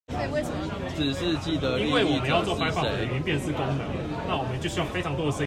只是既得利益者是誰